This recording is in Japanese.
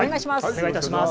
お願いいたします。